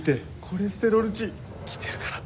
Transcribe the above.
コレステロール値きてるから。